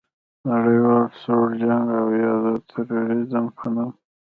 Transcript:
د نړیوال سوړ جنګ او یا د تروریزم په نوم